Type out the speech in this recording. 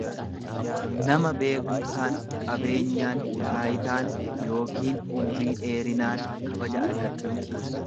nama beekumsaan, qabeenyaan, taayitaan yookiin umrii dheerinaan kabaja argatu.